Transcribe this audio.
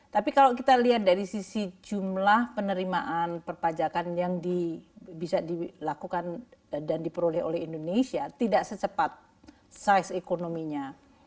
tapi kalau kita lihat dari sisi jumlah penerimaan perpajakan yang bisa dilakukan dan diperoleh oleh indonesia tidak secepat size ekonominya